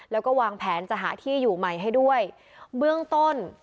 แล้วก็วางแผนจะหาที่อยู่ใหม่ให้ด้วยเบื้องต้น